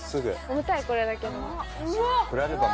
重たいこれだけでも。